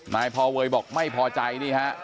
นายพอเวย์บอกไม่พอใจนี่ฮะ